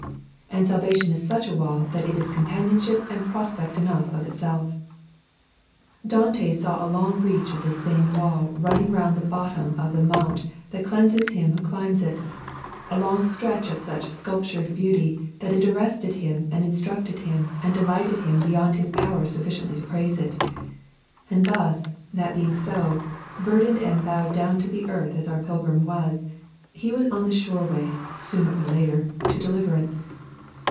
And Salvation is such a wall that it is companionship and prospect enough of itself. Dante saw a long reach of this same wall running round the bottom of the mount that cleanses him who climbs it, a long stretch of such sculptured beauty, that it arrested him and instructed him and delighted him beyond his power sufficiently to praise it. And thus, that being so, burdened and bowed down to the earth as our pilgrim was, he was on the sure way, sooner or later, to deliverance.